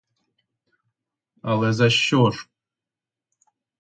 Але за що ж?